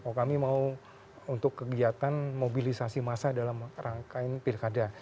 oh kami mau untuk kegiatan mobilisasi massa dalam rangkaian pilkada